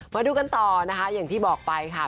มาดูกันต่อนะคะอย่างที่บอกไปค่ะ